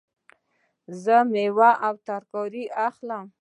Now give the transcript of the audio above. زه میوه او ترکاری اخلم